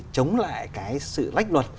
chống lại cái sự lách luật